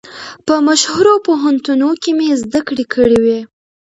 په مشهورو پوهنتونو کې مې زده کړې کړې وې.